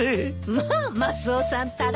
まあマスオさんったら。